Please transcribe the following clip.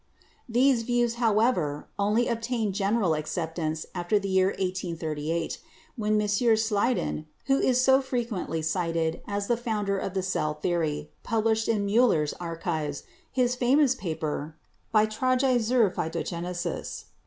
These views, however, only obtained general acceptance after the year 1838, when M. Schleiden, who is so fre quently cited as the founder of the cell theory, published in Miiller's 'Archives' his famous paper, 'Beitrage zur Phytogenesis.'